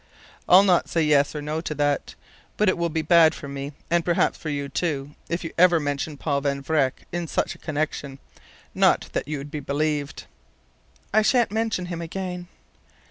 "I'll not say yes or no to that. But it will be bad for me, and perhaps for you, too, if you ever mention Paul Van Vreck in such a connection. Not that you'd be believed." "I sha'n't mention him again."